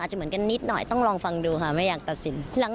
จะเหมือนกันนิดหน่อยต้องลองฟังดูค่ะไม่อยากตัดสิน